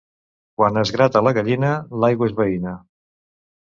Quan es grata la gallina, l'aigua és veïna.